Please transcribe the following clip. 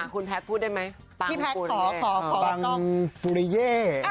คุณพัดพูดได้ไหมพี่พัดขอมันต้องปังปูริเย่